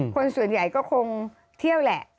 คนส่วนใหญ่ก็คงเที่ยวแหละ